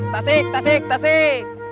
tasik tasik tasik